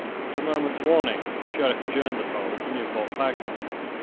At a moment's warning the Sheriff adjourned the poll to Newport Pagnell.